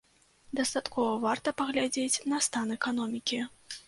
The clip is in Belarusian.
Дастаткова варта паглядзець на стан эканомікі.